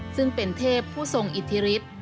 ซึ่งเป็นเทพผู้ทรงอิทธิฤทธิ์